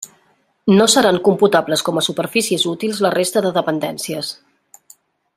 No seran computables com a superfícies útils la resta de dependències.